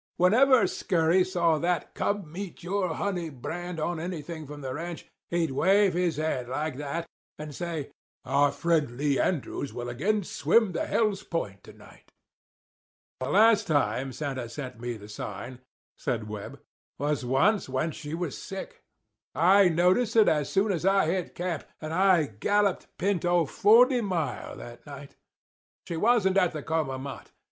Whenever Scurry saw that come meet your honey brand on anything from the ranch, he'd wave his hand like that, and say, 'Our friend Lee Andrews will again swim the Hell's point to night.'" "The last time Santa sent me the sign," said Webb, "was once when she was sick. I noticed it as soon as I hit camp, and I galloped Pinto forty mile that night. She wasn't at the coma mott.